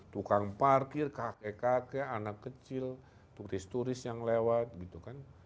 tukang parkir kakek kakek anak kecil turis turis yang lewat gitu kan